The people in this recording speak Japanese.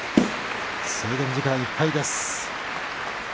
制限時間いっぱいです。